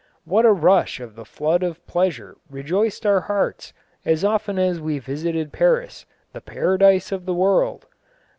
"What a rush of the flood of pleasure rejoiced our hearts as often as we visited Paris, the paradise of the world!...